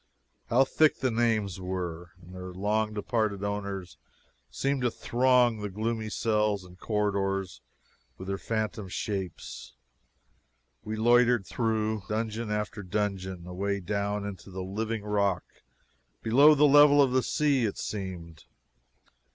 How thick the names were! And their long departed owners seemed to throng the gloomy cells and corridors with their phantom shapes. We loitered through dungeon after dungeon, away down into the living rock below the level of the sea, it seemed.